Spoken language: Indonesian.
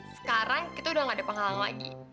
sekarang kita udah gak ada penghalang lagi